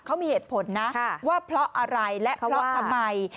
เขามีเหตุผลนะว่าเพราะอะไรและเพราะทำไม